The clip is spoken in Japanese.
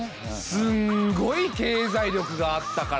すんごい経済力があったからとか？